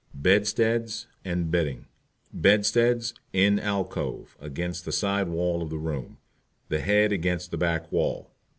BEDSTEADS AND BEDDING. Bedsteads In alcove, against side wall of the room, the head against the back wall.